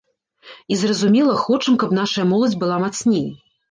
І зразумела, хочам, каб нашая моладзь была мацней.